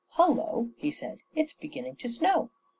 "Hullo!" he said, "it's beginning to snow."